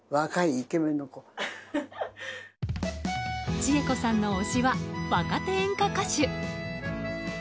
千恵子さんの推しは若手演歌歌手。